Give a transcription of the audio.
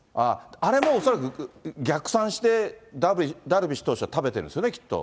あれも恐らく、逆算して、ダルビッシュ投手は食べてるんですよね、きっと。